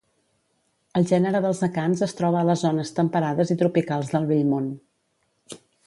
El gènere dels acants es troba a les zones temperades i tropicals del Vell Món.